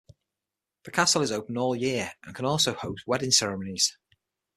The castle is open all year, and can also host wedding ceremonies.